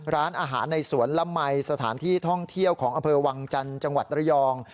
ร้านอาหารในสวนละมัยสถานที่ท่องเที่ยวของอำเภอวังจันทร์จังหวัดระยอง